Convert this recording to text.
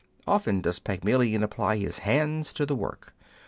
Often does Pygmalion apply his hands to the work.